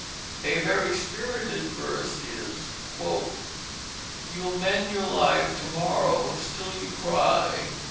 A very spirited verse is: "You'll mend your life to morrow still you cry.